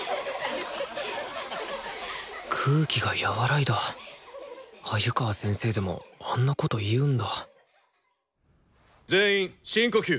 空気が和らいだ鮎川先生でもあんなこと言うんだ全員深呼吸！